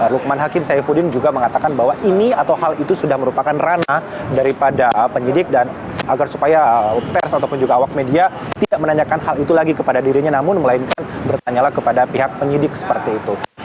lukman hakim saifuddin juga mengatakan bahwa ini atau hal itu sudah merupakan rana daripada penyidik dan agar supaya pers ataupun juga awak media tidak menanyakan hal itu lagi kepada dirinya namun melainkan bertanyalah kepada pihak penyidik seperti itu